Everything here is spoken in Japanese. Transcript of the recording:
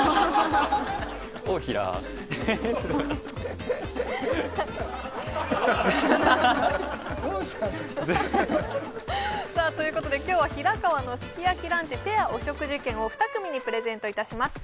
オオヒラー？ということで今日は平川のすき焼きランチペアお食事券を２組にプレゼントいたします